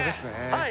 はい